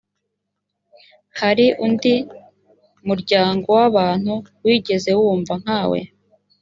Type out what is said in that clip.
hari undi muryango w’abantu wigeze wumva nkawe?